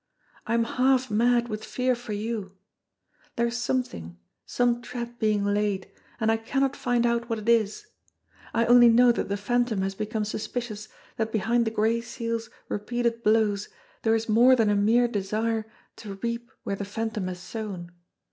I am half mad with fear for you. There is something, some trap being laid, and I cannot find out what it is. I only know that the Phantom has become suspicious that behind the Gray Seal's repeated blows there is more than a mere desire to reap where the Phantom has sown.